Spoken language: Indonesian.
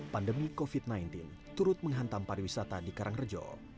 pandemi covid sembilan belas turut menghantam pariwisata di karangrejo